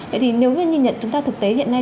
vậy thì nếu như nhìn nhận chúng ta thực tế hiện nay